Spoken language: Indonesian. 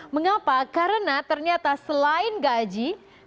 mengapa karena ternyata selain gaji